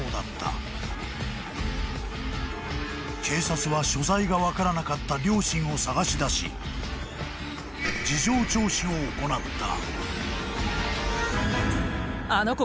［警察は所在が分からなかった両親を捜し出し事情聴取を行った］